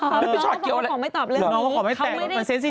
เขาบอกว่าขอไม่ตอบเรื่องนี้